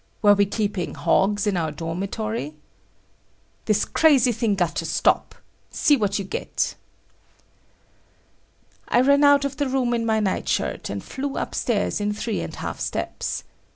Were we keeping hogs in our dormitory? "This crazy thing got to stop. See what you get!" I ran out of the room in my night shirt, and flew upstairs in three and half steps.